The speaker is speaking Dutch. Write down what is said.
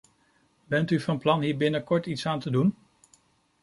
Bent u van plan hier binnenkort iets aan te doen?